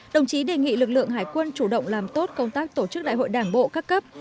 đồng chí đề nghị lực lượng hải quân chủ động làm tốt công tác tổ chức đại hội đảng bộ các cấp